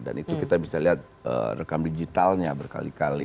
dan itu kita bisa lihat rekam digitalnya berkali kali